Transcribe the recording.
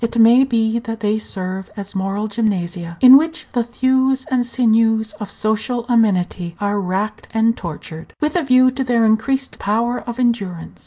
It may be that they serve as moral gymnasia, in which the thews and sinews of social amenity are racked and tortured, with a view to their increased power of endurance.